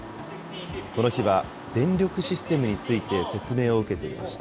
この日は、電力システムについて説明を受けていました。